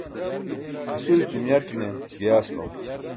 isuy cum yaṭne giyaas bam